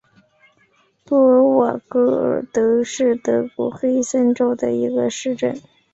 布尔格瓦尔德是德国黑森州的一个市镇。